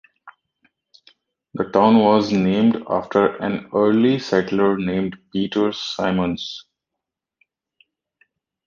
The town was named after an early settler named Peter Simmons.